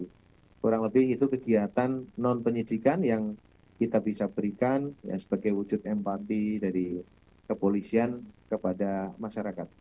kurang lebih itu kegiatan non penyidikan yang kita bisa berikan sebagai wujud empati dari kepolisian kepada masyarakat